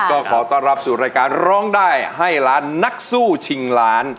ก็ขอต้อนรับสู่รายการร้องได้ให้ล้านนักสู้ชิงล้าน